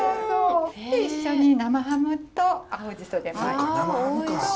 一緒に生ハムと青じそで巻いた。